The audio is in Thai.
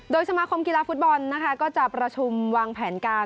สมาคมกีฬาฟุตบอลนะคะก็จะประชุมวางแผนการ